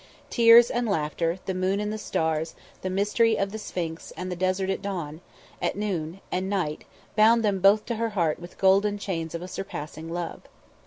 Tears and laughter, the moon and the stars, the mystery of the Sphinx and the desert at dawn, at noon, at night, bound them both to her heart with golden chains of a surpassing love.